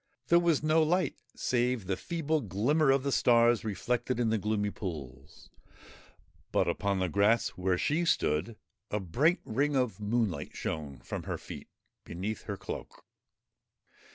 There was no light save the feeble glimmer of the stars reflected in the gloomy pools ; but, upon the grass where she stood, a bright ring of moonlight shone from her feet beneath her cloak.